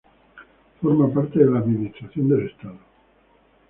Forma parte de la Administración del Estado.